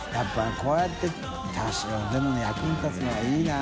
こうやって多少でも役に立つのはいいな。